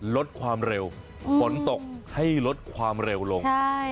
ลดความเร็วฝนตกให้ลดความเร็วลง